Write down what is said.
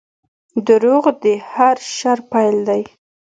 • دروغ د هر شر پیل دی.